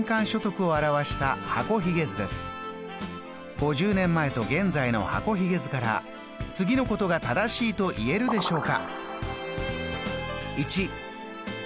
５０年前と現在の箱ひげ図から次のことが正しいと言えるでしょうか？